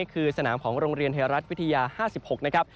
คือสนามของโรงเรียนไทยรัฐวิทยา๕๖นะครับ